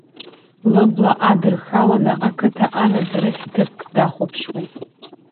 Лыбла адырхаланы, ақыҭа анаӡарахь ҭыԥк дахәаԥшуеит.